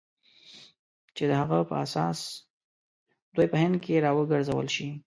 چې د هغه په اساس دوی په هند کې را وګرځول شي.